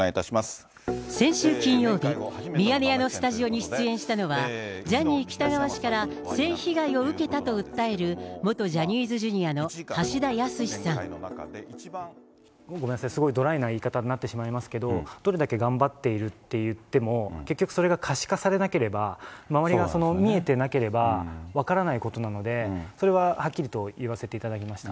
先週金曜日、ミヤネ屋のスタジオに出演したのは、ジャニー喜多川氏から性被害を受けたと訴える元ジャニーズＪｒ．ごめんなさい、すごいドライな言い方になってしまいますけど、どれだけ頑張っていると言っても、結局それが可視化されなければ、周りが見えていなければ分からないことなので、それははっきりと言わせていただきました。